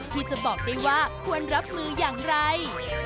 ที่จะบอกได้ว่าควรรับมืออย่างไร